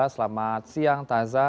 selamat siang taza